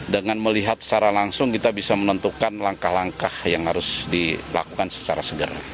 dengan melihat secara langsung kita bisa menentukan langkah langkah yang harus dilakukan secara segera